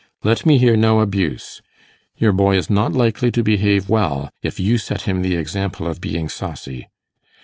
'Let me hear no abuse. Your boy is not likely to behave well, if you set him the example of being saucy.